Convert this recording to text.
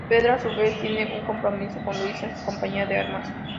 Pedro a su vez tiene un compromiso con Luisa, su compañera de armas.